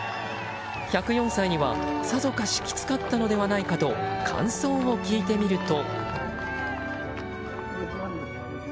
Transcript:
１０４歳には、さぞかしきつかったのではないかと感想を聞いてみると。